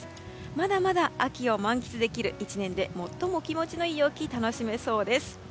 まだまだ秋を満喫できる１年で最も気持ちのいい陽気が楽しめそうです。